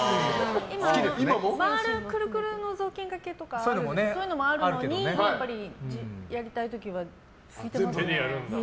今、回るくるくるの雑巾がけとかもあるのにそういうのもあるのにやりたい時は手で。